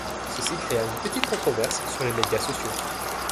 Ceci créa une petite controverse sur les médias sociaux.